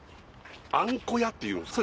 あんこ屋っていうんすか？